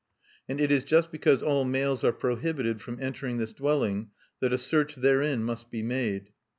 "And it is just because all males are prohibited from entering this dwelling that a search therein must be made."